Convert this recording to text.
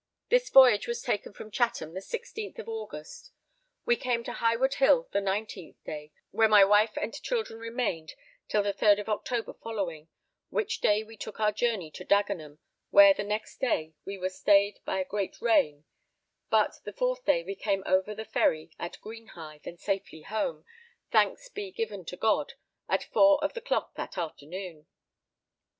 This voyage was taken from Chatham the 16th of August; we came to Highwood Hill the 19th day, where my wife and children remained till the 3rd of October following, which day we took our journey to Dagenham, where the next day we were stayed by a great rain, but the 4th day we came over the ferry at Greenhithe and safely home, thanks be given to God, at 4 of the clock that afternoon.